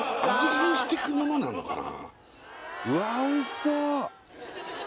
変してくものなのかな